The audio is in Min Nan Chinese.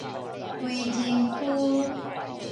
歸仁區